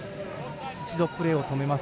一度プレーを止めます。